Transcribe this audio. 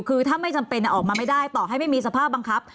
คือถ้าไม่จำเป็นออกมาไม่ได้ต่อให้ไม่มีสภาพบังคับ